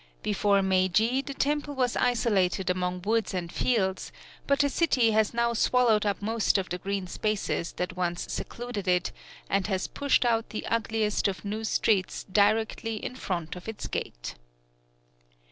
Before Meiji, the temple was isolated among woods and fields; but the city has now swallowed up most of the green spaces that once secluded it, and has pushed out the ugliest of new streets directly in front of its gate.